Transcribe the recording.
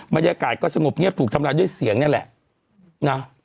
บรรยากาศก็สงบเงียบถูกทำลายด้วยเสียงนี่แหละนะ